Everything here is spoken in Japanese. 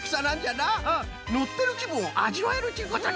のってるきぶんをあじわえるっちゅうことね！